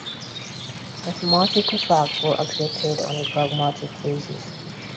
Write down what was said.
Mathematical facts were accepted on a pragmatic basis.